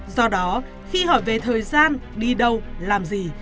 do đó khi hỏi về thời gian đi đâu làm gì